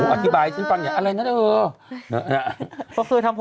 โอ้โฮอธิบายให้ฉันฟังอะไรนะเถอะ